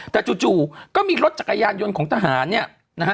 แต่จู่ก็มีรถจักรยานยนต์ของทหารเนี่ยนะฮะ